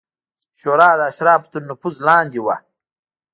شورا د اشرافو تر نفوذ لاندې وه